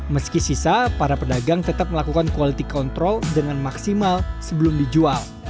meski sisa para pedagang tetap melakukan quality control dengan maksimal sebelum dijual